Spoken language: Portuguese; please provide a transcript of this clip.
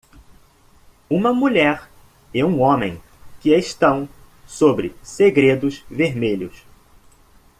Uma mulher e um homem que estão sobre segredos vermelhos.